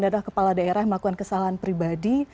adalah kepala daerah yang melakukan kesalahan pribadi